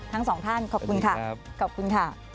ทั้งสองท่านขอบคุณค่ะขอบคุณค่ะ